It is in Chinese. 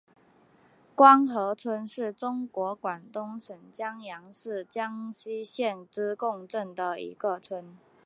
官河村是中国广东省阳江市阳西县织贡镇的一个村。